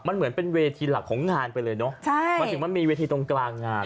มันเหมือนเป็นเวทีหลักของงานไปเลยเนอะใช่มันถึงมันมีเวทีตรงกลางงาน